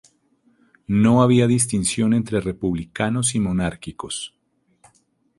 No había distinción entre republicanos y monárquicos.